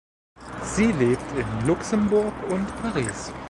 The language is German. Sie lebt in Luxemburg und Paris.